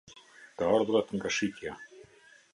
Të ardhurat nga shitja.